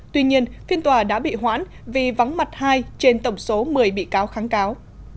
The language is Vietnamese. tuy nhiên phiên tòa đã bị hoãn vì vắng mặt hai trên tổng số một mươi bị cáo kháng cáo